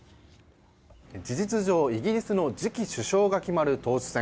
事実上、イギリスの次期首相が決まる党首選。